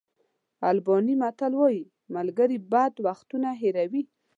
آلباني متل وایي ملګري بد وختونه هېروي.